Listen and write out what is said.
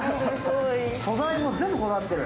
素材も全部こだわってる。